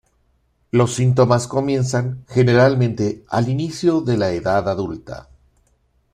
Los síntomas comienzan generalmente al inicio de la edad adulta.